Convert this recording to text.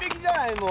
もう。